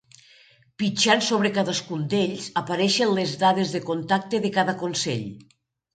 Pitjant sobre cadascun d’ells apareixen les dades de contacte de cada consell.